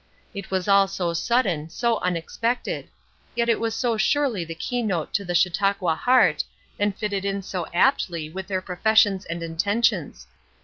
It was all so sudden, so unexpected; yet it was so surely the key note to the Chautauqua heart, and fitted in so aptly with their professions and intentions.